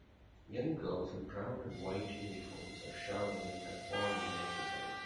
Young girls in brown and white uniforms are shouting and performing an exercise.